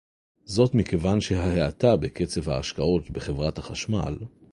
זאת מכיוון שההאטה בקצב ההשקעות בחברת החשמל